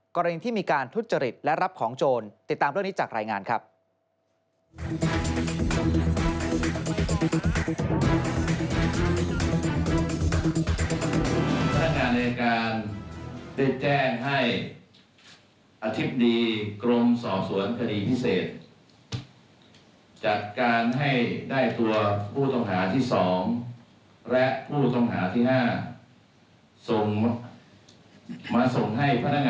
กรณีที่มีการทุจริตและรับของโจรติดตามเรื่องนี้จากรายงานครับ